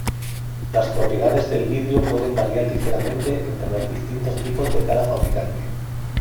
Las propiedades del vidrio pueden variar ligeramente entre los distintos tipos de cada fabricante.